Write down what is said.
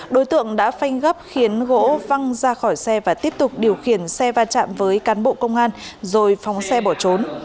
đối tượng đã phanh gấp khiến gỗ văng ra khỏi xe và tiếp tục điều khiển xe va chạm với cán bộ công an rồi phóng xe bỏ trốn